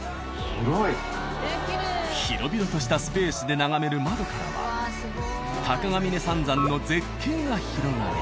広々としたスペースで眺める窓からは鷹峯三山の絶景が広がり。